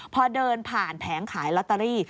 พอเดินผ่านแผงขายลอตเตอรี่